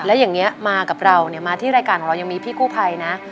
แล้วอย่างนี้มากับเราเนี่ยมาที่รายการของเรายังมีพี่กู้ภัยนะ